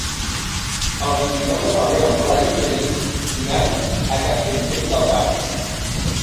El vint-i-nou de febrer en Blai i en Genís iran a Castellvell del Camp.